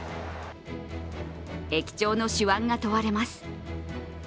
駅長の手腕が問われます。